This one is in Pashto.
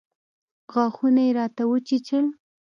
غاښونه يې راته وچيچل.